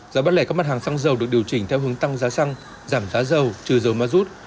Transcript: giá bán lẻ các mặt hàng xăng dầu được điều chỉnh theo hướng tăng giá xăng giảm giá dầu trừ dầu ma rút